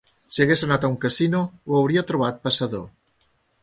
Si hagués anat a un casino, ho hauria trobat passador.